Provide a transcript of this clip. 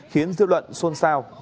khiến dư luận xôn xao